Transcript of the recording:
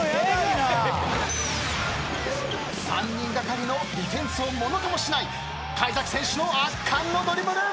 ３人がかりのディフェンスをものともしない貝崎選手の圧巻のドリブル。